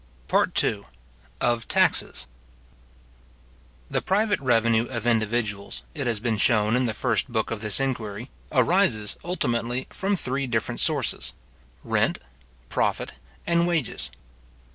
PART II. Of Taxes. The private revenue of individuals, it has been shown in the first book of this Inquiry, arises, ultimately from three different sources; rent, profit, and wages.